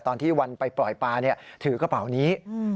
ตอนที่วันไปปล่อยปลาถือกระเป๋านี้